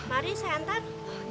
mari saya hantar